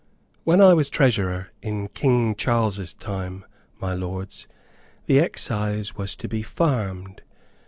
"When I was Treasurer, in King Charles's time, my Lords, the excise was to be farmed.